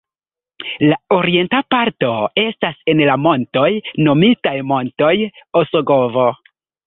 La orienta parto estas en la montoj nomitaj Montoj Osogovo.